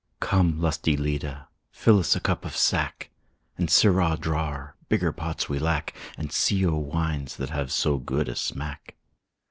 Come, lusty Lyda, fill's a cup of sack, And, sirrah drawer, bigger pots we lack, And Scio wines that have so good a smack.